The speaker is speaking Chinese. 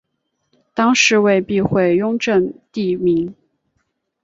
当是为避讳雍正帝名。